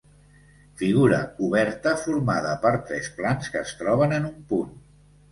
Figura oberta formada per tres plans que es troben en un punt.